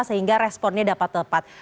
sehingga responnya dapat tepat